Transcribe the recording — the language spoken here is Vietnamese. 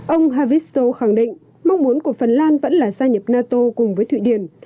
ông havito khẳng định mong muốn của phần lan vẫn là gia nhập nato cùng với thụy điển